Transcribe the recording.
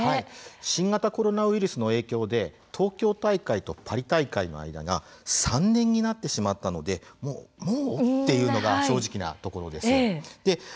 新型コロナウイルスの影響で東京大会とパリ大会の間が３年になってしまったのでえ、もう？というのが正直なところです。